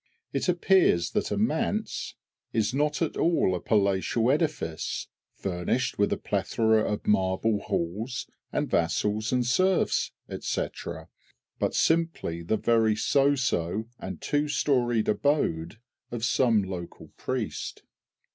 It appears that a "Manse" is not at all a palatial edifice, furnished with a plethora of marble halls and vassals and serfs, &c., but simply the very so so and two storied abode of some local priest!